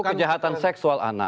pelaku kejahatan seksual anak